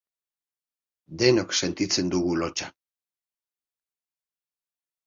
Denok sentitzen dugu lotsa.